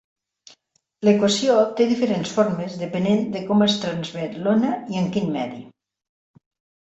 L'equació té diferents formes depenent de com es transmet l'ona i en quin medi.